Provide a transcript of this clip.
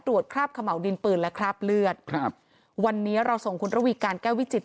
คราบขม่าวดินปืนและคราบเลือดครับวันนี้เราส่งคุณระวีการแก้ววิจิต